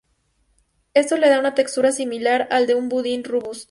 Esto le da una textura similar al de un budín robusto.